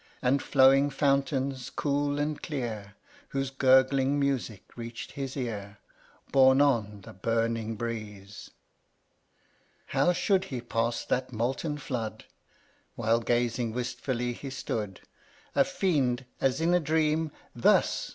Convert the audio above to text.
And flowing fountains cool and clear, Whose gurgling music reach'd his ear, Borne on the burning breeze. 26. How should he pass that molten flood ' While gazing wistfully he stood, A Fiend, as in a dream, "Thus